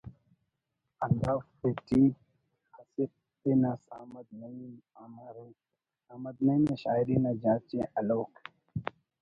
ہندافتیٹی اسہ پن اس احمد نعیم ہم ارے…………احمد نعیم نا شاعری نا جاچ ءِ ہلوک